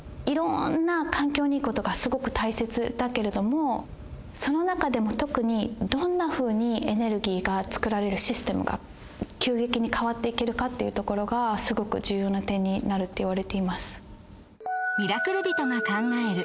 色んな環境にいいことがすごく大切だけれどもその中でも特にどんなふうにエネルギーが作られるシステムが急激に変わっていけるかというところがすごく重要な点になるって言われいます。